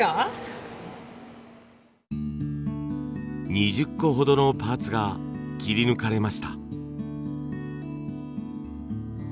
２０個ほどのパーツが切り抜かれました。